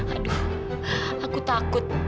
aduh aku takut